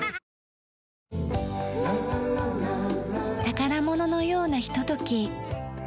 宝物のようなひととき。